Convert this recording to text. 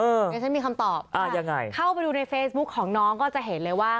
เดี๋ยวฉันมีคำตอบอ่ายังไงเข้าไปดูในเฟซบุ๊คของน้องก็จะเห็นเลยว่า